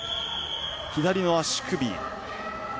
左の足首。